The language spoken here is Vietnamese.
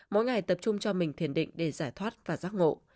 mỗi ngày tập trung cho mình thiền định để giải thoát và giác ngộ